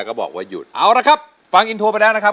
ก็บอกว่าหยุดเอาละครับฟังอินโทรไปแล้วนะครับ